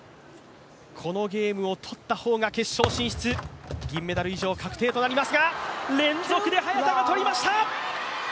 このゲームを取った方が決勝進出、銀メダル以上確定となりますが、連続で早田が取りました。